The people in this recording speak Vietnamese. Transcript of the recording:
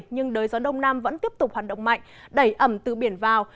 nhưng đới gió đông nam vẫn tiếp tục hoạt động mạnh đẩy ẩm từ biển vào